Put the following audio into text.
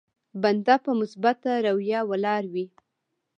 بنده په مثبته رويه ولاړ وي.